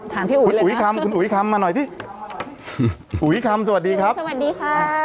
พี่อุ๋ยคุณอุ๋ยคำคุณอุ๋ยคำมาหน่อยสิอุ๋ยคำสวัสดีครับสวัสดีค่ะ